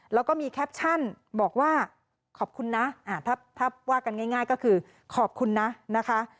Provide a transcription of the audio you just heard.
แล้วก็มีแคปชั่นบอกว่าขอบคุณนะถ้าว่ากันง่ายก็คือขอบคุณนะนะคะ